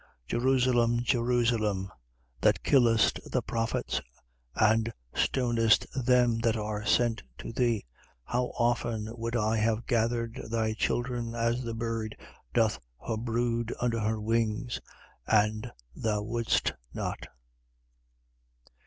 13:34. Jerusalem, Jerusalem, that killest the prophets; and stonest them that are sent to thee, how often would I have gathered thy children as the bird doth her brood under her wings, and thou wouldest not?